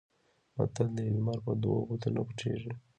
متل دی: لمر په دوو ګوتو نه پټېږي.